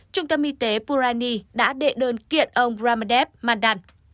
trung tâm y tế burani đã đệ đơn kiện ông brahamdev mandan